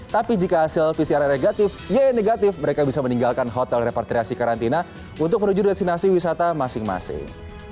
tapi jika hasil pcr nya negatif mereka bisa meninggalkan hotel repatriasi karantina untuk menuju destinasi wisata masing masing